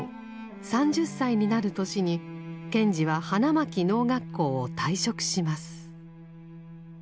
３０歳になる年に賢治は花巻農学校を退職します。